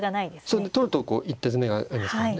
そんで取るとこう一手詰めがありますからね。